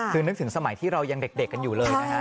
คือนึกถึงสมัยที่เรายังเด็กกันอยู่เลยนะฮะ